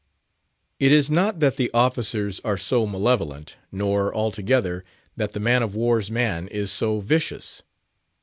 It is not that the officers are so malevolent, nor, altogether, that the man of war's man is so vicious.